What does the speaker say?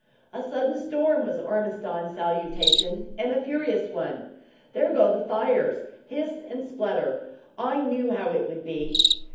"A sudden storm," was Ormiston's salutation, "and a furious one. There go the fires hiss and splutter. I knew how it would be."